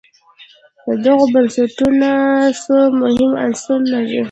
دغو بنسټونو څو مهم عناصر لرل